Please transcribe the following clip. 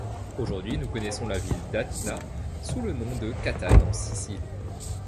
Aujourd'hui, nous connaissons la ville d'Aetna sous le nom de Catane en Sicile.